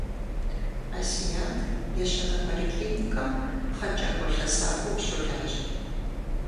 Асият ещанэ поликлиникэм пхъэнкӏакӏуэ-лъэсакӏуэу щолажьэ.